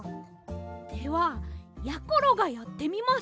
ではやころがやってみます！